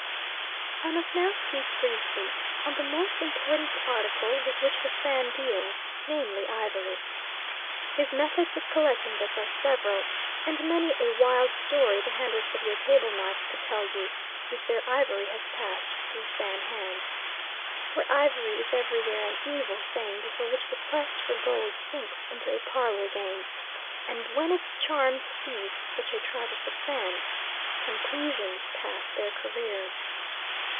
I must now speak briefly on the most important article with which the Fan deals, namely ivory. His methods of collecting this are several, and many a wild story the handles of your table knives could tell you, if their ivory has passed through Fan hands. For ivory is everywhere an evil thing before which the quest for gold sinks into a parlour game; and when its charms seize such a tribe as the Fans, "conclusions pass their careers."